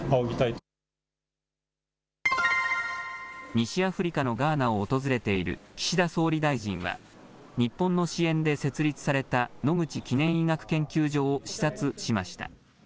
西アフリカのガーナを訪れている岸田総理大臣は日本の支援で設立された野口記念医学研究所を視察しました。